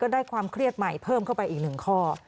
ได้ความเครียดใหม่เพิ่มเข้าไปอีกหนึ่งข้อ